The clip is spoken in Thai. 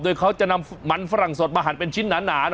โดยเขาจะนำมันฝรั่งสดมาหั่นเป็นชิ้นหนา